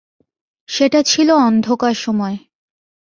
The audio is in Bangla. সেটা ছিল অন্ধকার সময়।